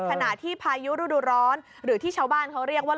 ขณะที่พายุฤดูร้อนหรือที่ชาวบ้านเขาเรียกว่า